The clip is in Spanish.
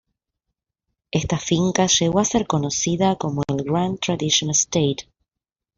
Esta finca llegó a ser conocida como el "Grand Tradition Estate".